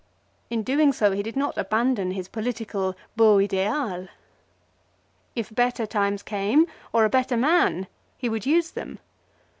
In doing so he did not abandon his political beau ideal. If better times came, or a better man, he would use them.